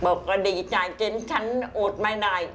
บอกก็ดีใจจนฉันอดไม่ได้